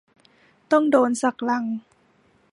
ต้องโดนสักลัง